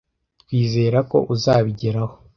Twizera ko uzabigeraho.